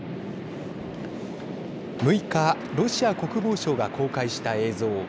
６日ロシア国防省が公開した映像。